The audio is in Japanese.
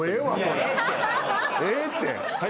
ええって。